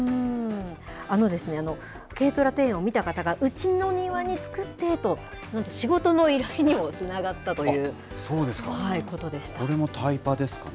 軽トラ庭園を見た方が、うちの庭に造ってと、なんと仕事の依頼にもつながったということでしそうですか。